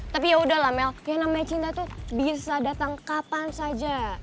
tapi yaudahlah melk yang namanya cinta tuh bisa datang kapan saja